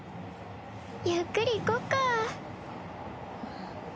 ゆっくり行こっか。